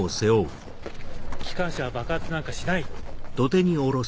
機関車は爆発なんかしない。